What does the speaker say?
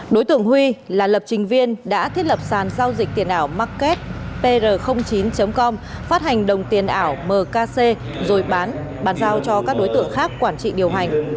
đối tượng huy là lập trình viên đã thiết lập sàn giao dịch tiền ảo market pr chín com phát hành đồng tiền ảo mkc rồi bán bàn giao cho các đối tượng khác quản trị điều hành